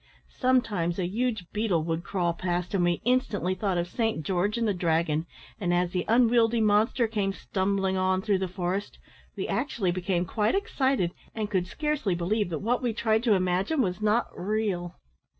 Sometimes a huge beetle would crawl past, and we instantly thought of Saint George and the dragon, and, as the unwieldy monster came stumbling on through the forest, we actually became quite excited, and could scarcely believe that what we tried to imagine was not real.